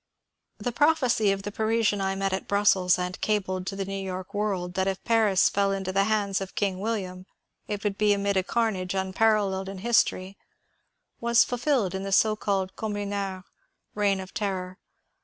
The prophecy of the Parisian I met at Brussels, and cabled to the " New York World," that if Paris fell into the hands of King William it would be amid a carnage unparalleled in his tory, was fulfilled in the so called ^^ Communard " reign of ter ror.